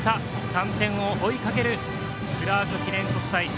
３点を追いかけるクラーク記念国際。